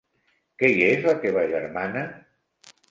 Que hi és la teva germana?